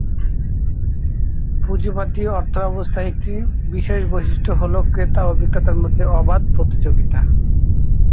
পুঁজিবাদী অর্থব্যবস্থায় একটি বিশেষ বৈশিষ্ট্য হল ক্রেতা ও বিক্রেতার মধ্যে অবাধ প্রতিযোগিতা।